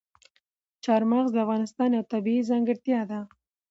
چار مغز د افغانستان یوه طبیعي ځانګړتیا ده.